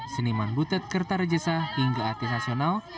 seniman butet kertarejasa hingga artis nasional